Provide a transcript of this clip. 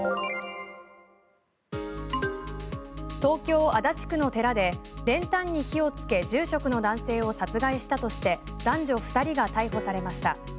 東京・足立区の寺で練炭に火をつけ住職の男性を殺害したとして男女２人が逮捕されました。